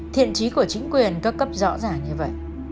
thiện trí của chính quyền các cấp rõ ràng như vậy